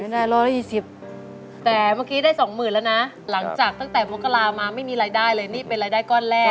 ได้๑๒๐แต่เมื่อกี้ได้สองหมื่นแล้วนะหลังจากตั้งแต่มกรามาไม่มีรายได้เลยนี่เป็นรายได้ก้อนแรก